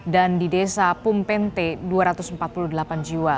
dan di desa pumpente dua ratus empat puluh delapan jiwa